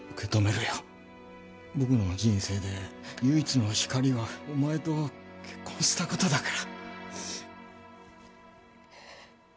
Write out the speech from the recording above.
僕の人生で唯一の光はお前と結婚した事だから。